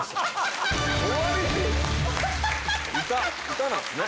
歌なんすね。